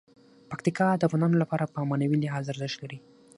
پکتیکا د افغانانو لپاره په معنوي لحاظ ارزښت لري.